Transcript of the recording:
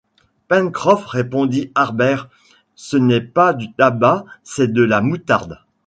Pencroff répondit Harbert, ce n’est pas du tabac, c’est de la moutarde.